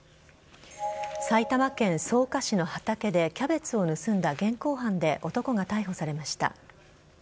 埼玉県草加市の畑でキャベツを盗んだ現行犯で男が逮捕されました。